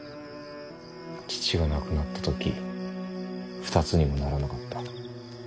父が亡くなった時２つにもならなかった。